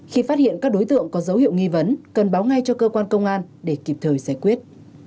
khi phát hiện các đối tượng có dấu hiệu nghi vấn cần báo ngay cho cơ quan công an để kịp thời giải quyết